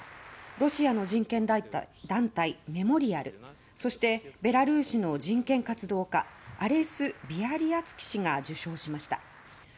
ロシアの人権団体、メモリアルそして、ベラルーシの人権活動家アレス・ビアリアツキ氏が受賞しました。